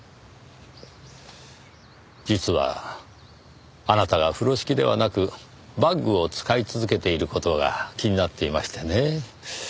実はあなたが風呂敷ではなくバッグを使い続けている事が気になっていましてねぇ。